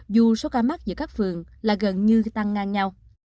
dù số ca mắc giữa các phường là gần như tăng ngang nhau